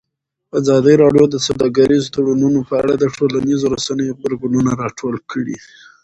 ازادي راډیو د سوداګریز تړونونه په اړه د ټولنیزو رسنیو غبرګونونه راټول کړي.